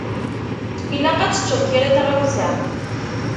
Ilaq ad teččeḍ kra n tɣawsa.